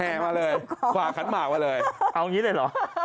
แทงมาเลยขวาขันหมากมาเลยเอาอย่างนี้ได้หรอ